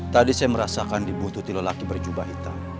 tadi saya merasakan di butuh tilo laki berjubah hitam